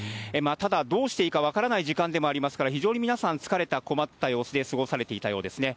ただ、どうしていいか分からない時間でもありますから、非常に皆さん、疲れた、困った様子で過ごされていたようですね。